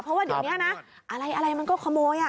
เพราะว่าเดี๋ยวนี้นะอะไรมันก็ขโมย